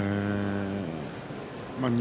錦